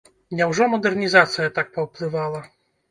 Няўжо мадэрнізацыя так паўплывала?